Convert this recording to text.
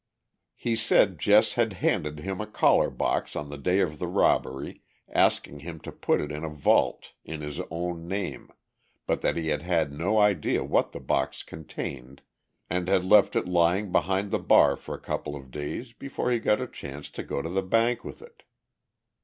He said Jess had handed him a collar box on the day of the robbery, asking him to put it in a vault in his own name, but that he had had no idea what the box contained, and had left it lying behind the bar for a couple of days before he got a chance to go to the bank with it.